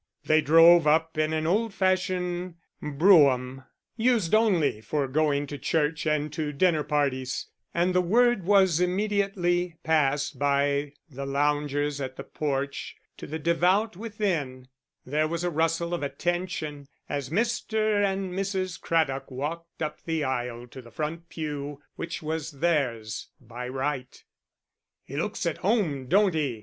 They drove up in an old fashioned brougham used only for going to church and to dinner parties, and the word was immediately passed by the loungers at the porch to the devout within; there was a rustle of attention as Mr. and Mrs. Craddock walked up the aisle to the front pew which was theirs by right. "He looks at home, don't he?"